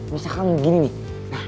misalkan begini nih